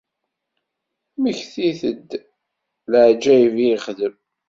Mmektit-d d leɛǧayeb i yexdem.